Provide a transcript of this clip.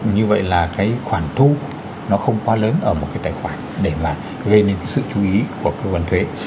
như vậy là cái khoản thu nó không quá lớn ở một cái tài khoản để mà gây nên cái sự chú ý của cơ quan thuế